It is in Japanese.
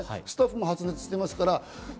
スタッフも発熱してますから。